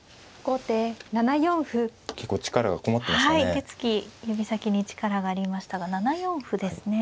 手つき指先に力がありましたが７四歩ですね。